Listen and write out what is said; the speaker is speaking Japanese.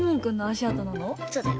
そうだよ。